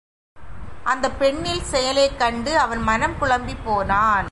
அந்தப் பெண்ணில் செயலைக் கண்டு, அவன் மனம் குழம்பிப் போனான்.